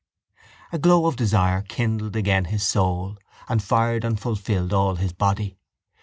A glow of desire kindled again his soul and fired and fulfilled all his body.